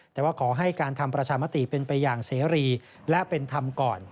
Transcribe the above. แต่ว่าขอให้การทำประชามติเป็นไปอย่างเสรีและเป็นธรรมก่อน